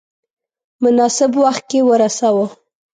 مناسب وخت کې ورساوه.